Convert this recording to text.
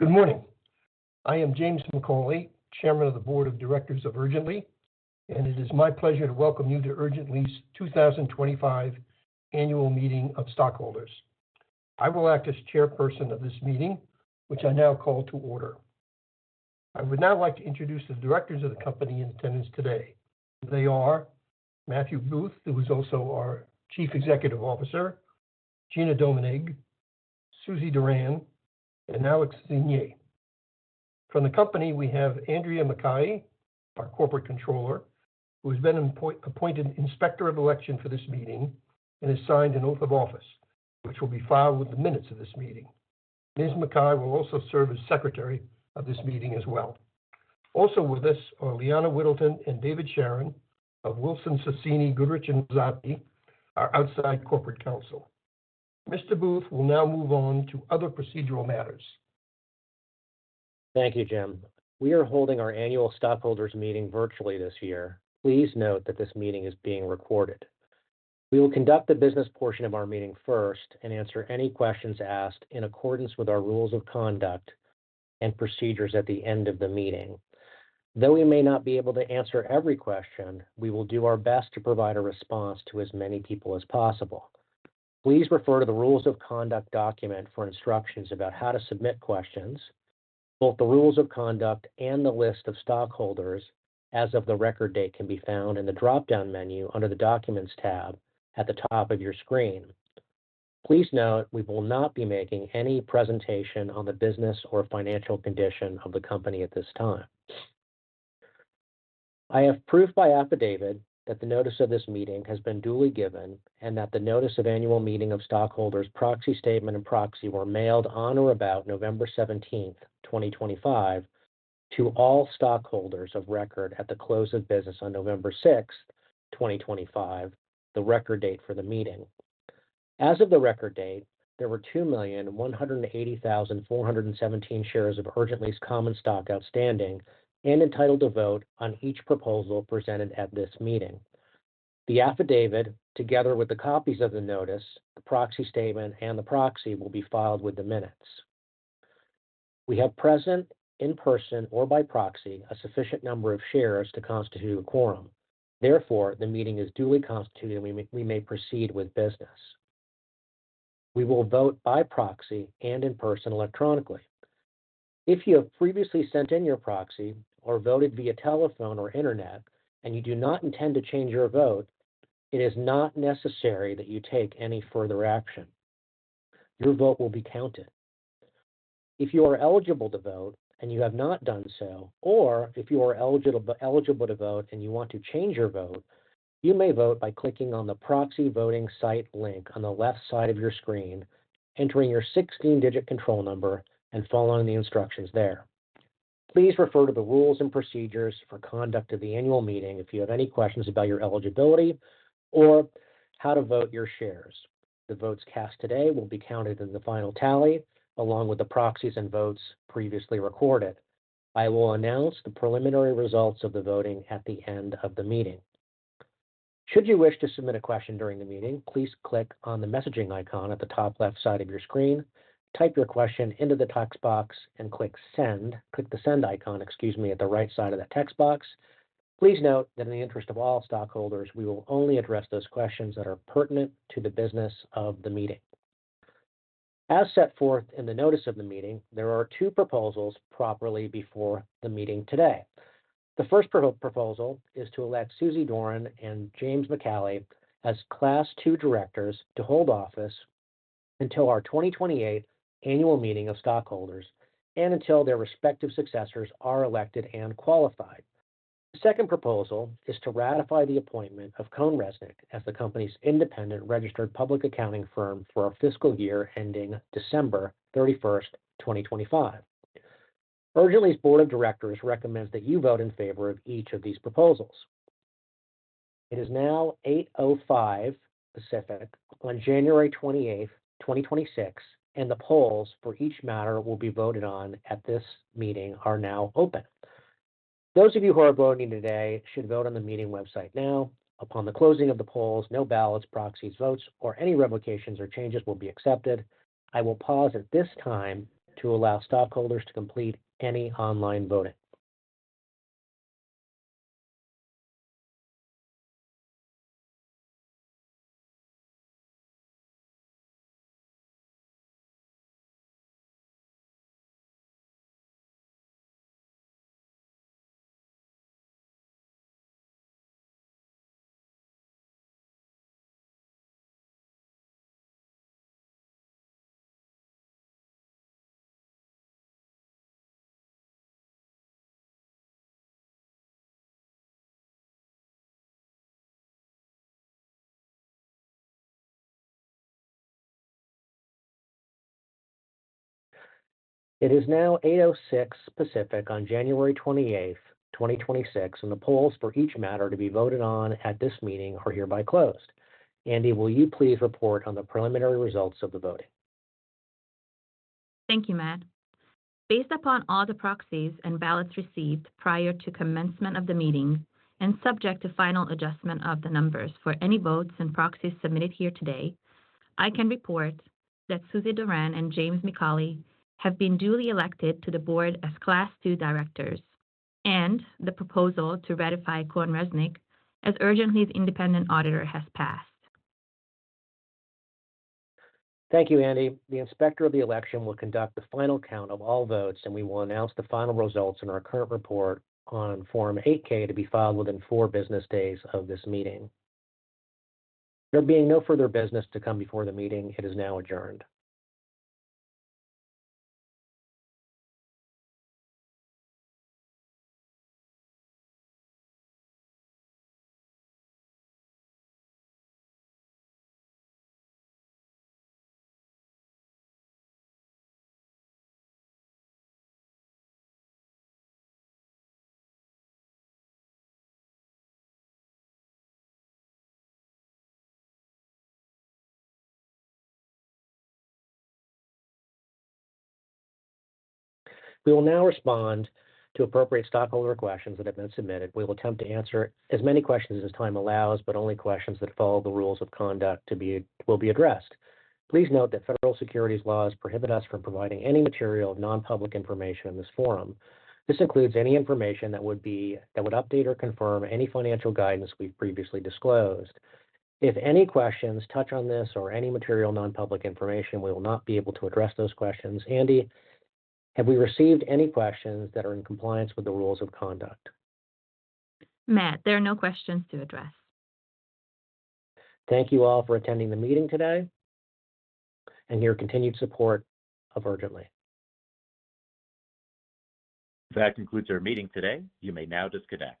Good morning. I am James Micali, Chairman of the Board of Directors of Urgently, and it is my pleasure to welcome you to Urgently's 2025 annual meeting of stockholders. I will act as Chairperson of this meeting, which I now call to order. I would now like to introduce the directors of the company in attendance today. They are Matthew Booth, who is also our Chief Executive Officer; Gina Domanig; Suzie Doran; and Alexander Zyngier. From the company, we have Andrea Makkai, our Corporate Controller, who has been appointed Inspector of Election for this meeting and has signed an oath of office, which will be filed with the minutes of this meeting. Ms. Makkai will also serve as Secretary of this meeting as well. Also with us are Lianna Whittleton and David Sharon of Wilson Sonsini Goodrich & Rosati, our outside corporate counsel. Mr. Booth will now move on to other procedural matters. Thank you, Jim. We are holding our annual stockholders' meeting virtually this year. Please note that this meeting is being recorded. We will conduct the business portion of our meeting first and answer any questions asked in accordance with our rules of conduct and procedures at the end of the meeting. Though we may not be able to answer every question, we will do our best to provide a response to as many people as possible. Please refer to the rules of conduct document for instructions about how to submit questions, both the rules of conduct and the list of stockholders as of the record date can be found in the drop-down menu under the Documents tab at the top of your screen. Please note we will not be making any presentation on the business or financial condition of the company at this time. I have proof by affidavit that the notice of this meeting has been duly given and that the notice of annual meeting of stockholders' proxy statement and proxy were mailed on or about November 17, 2025, to all stockholders of record at the close of business on November 6, 2025, the record date for the meeting. As of the record date, there were 2,180,417 shares of Urgently's common stock outstanding and entitled to vote on each proposal presented at this meeting. The affidavit, together with the copies of the notice, the proxy statement, and the proxy, will be filed with the minutes. We have present, in person or by proxy, a sufficient number of shares to constitute a quorum. Therefore, the meeting is duly constituted, and we may proceed with business. We will vote by proxy and in person electronically. If you have previously sent in your proxy or voted via telephone or internet and you do not intend to change your vote, it is not necessary that you take any further action. Your vote will be counted. If you are eligible to vote and you have not done so, or if you are eligible to vote and you want to change your vote, you may vote by clicking on the proxy voting site link on the left side of your screen, entering your 16-digit control number, and following the instructions there. Please refer to the rules and procedures for conduct of the annual meeting if you have any questions about your eligibility or how to vote your shares. The votes cast today will be counted in the final tally along with the proxies and votes previously recorded. I will announce the preliminary results of the voting at the end of the meeting. Should you wish to submit a question during the meeting, please click on the messaging icon at the top left side of your screen, type your question into the text box, and click the send icon at the right side of that text box. Please note that in the interest of all stockholders, we will only address those questions that are pertinent to the business of the meeting. As set forth in the notice of the meeting, there are two proposals properly before the meeting today. The first proposal is to elect Suzie Doran and James Micali as Class II directors to hold office until our 2028 Annual Meeting of Stockholders and until their respective successors are elected and qualified. The second proposal is to ratify the appointment of CohnReznick as the company's independent registered public accounting firm for a fiscal year ending December 31, 2025. Urgently's Board of Directors recommends that you vote in favor of each of these proposals. It is now 8:05 A.M. Pacific on January 28, 2026, and the polls for each matter will be voted on at this meeting are now open. Those of you who are voting today should vote on the meeting website now. Upon the closing of the polls, no ballots, proxies, votes, or any revocations or changes will be accepted. I will pause at this time to allow stockholders to complete any online voting. It is now 8:06 A.M. Pacific on January 28, 2026, and the polls for each matter to be voted on at this meeting are hereby closed. Andy, will you please report on the preliminary results of the voting? Thank you, Matt. Based upon all the proxies and ballots received prior to commencement of the meeting and subject to final adjustment of the numbers for any votes and proxies submitted here today, I can report that Suzie Doran and James Micali have been duly elected to the board as Class II directors and the proposal to ratify CohnReznick as Urgently's independent auditor has passed. Thank you, Andy. The Inspector of Election will conduct the final count of all votes, and we will announce the final results in our Current Report on Form 8-K to be filed within four business days of this meeting. There being no further business to come before the meeting, it is now adjourned. We will now respond to appropriate stockholder questions that have been submitted. We will attempt to answer as many questions as time allows, but only questions that follow the rules of conduct will be addressed. Please note that federal securities laws prohibit us from providing any material nonpublic information in this forum. This includes any information that would update or confirm any financial guidance we've previously disclosed. If any questions touch on this or any material nonpublic information, we will not be able to address those questions. Andy, have we received any questions that are in compliance with the rules of conduct? Matt, there are no questions to address. Thank you all for attending the meeting today and your continued support of Urgently. That concludes our meeting today. You may now disconnect.